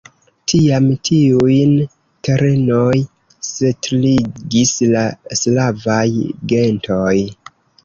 Tiam tiujn terenoj setligis la slavaj gentoj.